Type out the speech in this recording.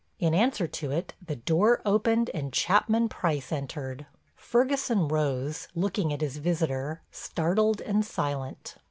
In answer to it the door opened and Chapman Price entered. Ferguson rose, looking at his visitor, startled and silent.